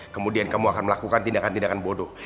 kemudian kamu akan melakukan tindakan tindakan bodoh